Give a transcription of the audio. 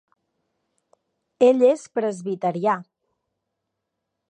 Ell és presbiterià.